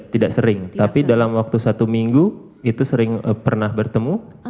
tidak sering tapi dalam waktu satu minggu itu sering pernah bertemu